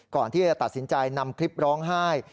ก่อนที่จะตัดสินใจนำคลิปร้องไห้